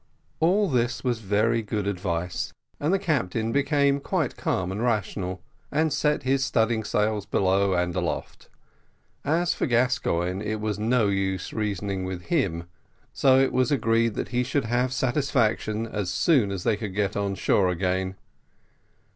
All this was very good advice, and the captain became quite calm and rational, and set his studding sails below and aloft. As for Gascoigne, it was no use reasoning with him, so it was agreed that he should have satisfaction as soon as they could get on shore again.